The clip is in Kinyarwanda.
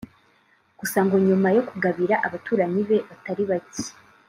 Gusa ngo nyuma yo kugabira abaturanyi be batari bake